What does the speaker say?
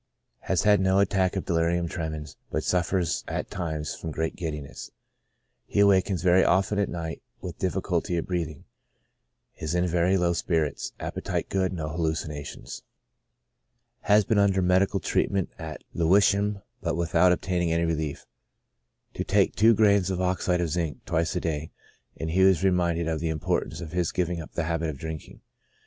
Has had no attack of delirium tremens, but suffers at times from great giddiness. He awakes very often at night with difficulty of breathing ; is in very low spirits; appetite good; no hallucinations. Has been under I04 CHRONIC ALCOHOLISM. medical treatment at Lewisham, but without obtaining any relief. To take two grains of oxide of zinc, twice a day ; and he was reminded of the importance of his giving up the habit of drinking.